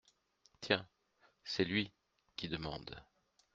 Tiens, c’est lui, qui demande…